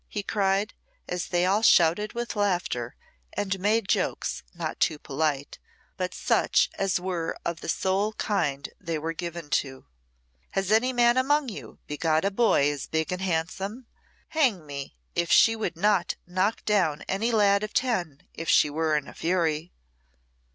he cried, as they all shouted with laughter and made jokes not too polite, but such as were of the sole kind they were given to. "Has any man among you begot a boy as big and handsome? Hang me! if she would not knock down any lad of ten if she were in a fury."